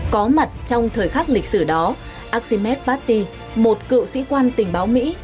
có mặt trong thời khắc lịch sử đó axi met bati một cựu sĩ quan tình báo mỹ